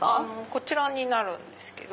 こちらになるんですけど。